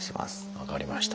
分かりました。